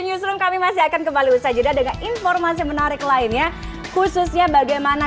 newsroom kami masih akan kembali usaha jeda dengan informasi menarik lainnya khususnya bagaimana